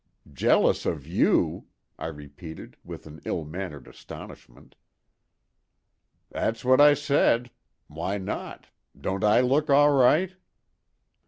"Jealous of you!" I repeated with ill mannered astonishment. "That's what I said. Why not?—don't I look all right?"